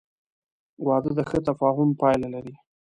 • واده د ښه تفاهم پایله لري.